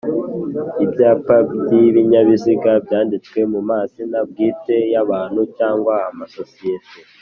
Ibyapa by ibinyabiziga byanditswe mu mazina bwite y abantu cyangwa amasosiyete